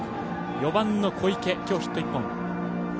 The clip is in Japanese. ４番の小池、きょうヒット１本。